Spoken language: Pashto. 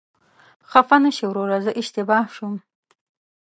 خفه نشې وروره، زه اشتباه شوم.